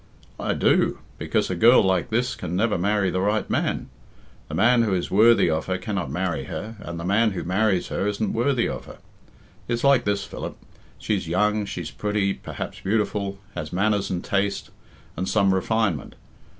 "I do; because a girl like this can never marry the right man. The man who is worthy of her cannot marry her, and the man who marries her isn't worthy of her. It's like this, Philip. She's young, she's pretty, perhaps beautiful, has manners and taste, and some refinement.